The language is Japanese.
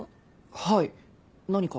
はい。何か？